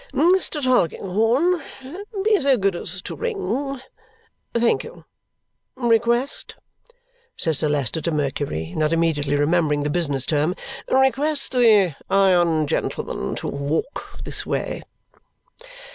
"Mr. Tulkinghorn, be so good as to ring. Thank you. Request," says Sir Leicester to Mercury, not immediately remembering the business term, "request the iron gentleman to walk this way."